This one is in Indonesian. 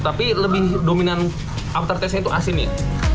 tapi lebih dominan after taste nya itu asinnya